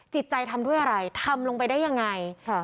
จิตใจทำด้วยอะไรทำลงไปได้ยังไง